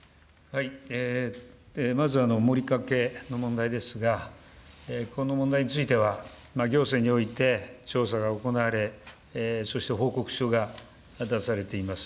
まず、モリカケの問題ですが、この問題については、行政において、調査が行われ、そして報告書が出されています。